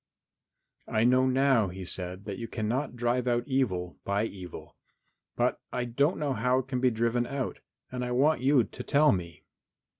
"I know now," he said, "that you cannot drive out evil by evil, but I don't know how it can be driven out and I want you to tell me."